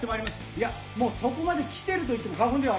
いやもうそこまで来てるといっても過言ではありません。